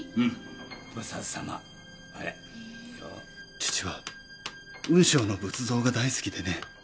父は雲尚の仏像が大好きでね。